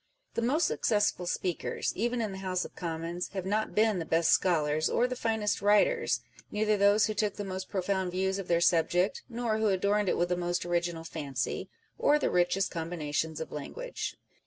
The most successful speakers, even in the House of Commons, have not been the best scholars or the finest writers â€" neither those who took the most profoimd views of their subject, nor who adorned it with the most original fancy, or the richest combinations of language.